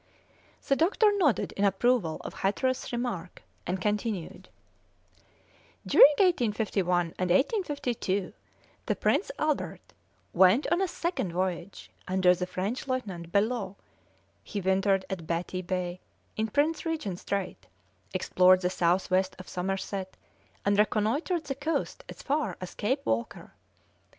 The doctor nodded in approval of Hatteras's remark, and continued: "During 1851 and 1852 the Prince Albert went on a second voyage under the French lieutenant, Bellot; he wintered at Batty Bay, in Prince Regent Strait, explored the south west of Somerset, and reconnoitred the coast as far as Cape Walker.